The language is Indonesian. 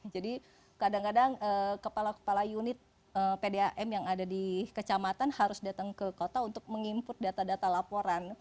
jadi kadang kadang kepala kepala unit pdam yang ada di kecamatan harus datang ke kota untuk meng input data data laporan